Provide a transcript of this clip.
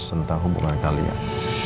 tentang hubungan kalian